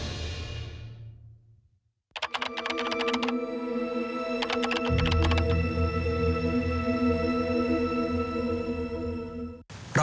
สวัสดีครับ